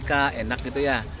di amerika enak gitu ya